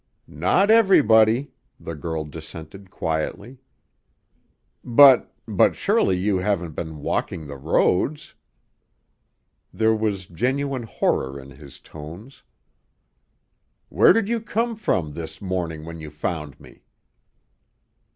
"Not everybody," the girl dissented quietly. "But but surely you haven't been walking the roads?" There was genuine horror in his tones. "Where did you come from this morning when you found me?"